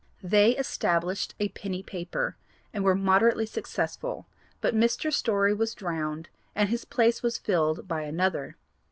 They established a penny paper, and were moderately successful, but Mr. Story was drowned and his place was filled by another.